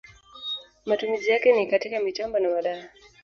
Matumizi yake ni katika mitambo na madawa.